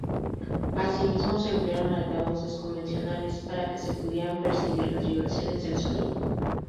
Asimismo, se emplearon altavoces convencionales para que se pudieran percibir las vibraciones del sonido.